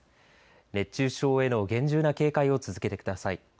熱中症への厳重な警戒を続けてください。